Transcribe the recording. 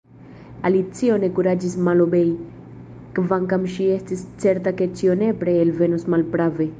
Alicio ne kuraĝis malobei, kvankam ŝi estis certa ke ĉio nepre elvenos malprave.